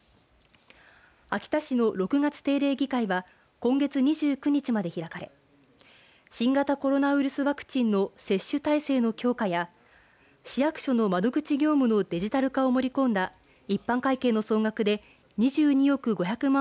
秋田市の６月定例議会は今月２９日まで開かれ新型コロナウイルスワクチンの接種態勢の強化や市役所の窓口業務のデジタル化を盛り込んだ一般会計の総額で２２億５００万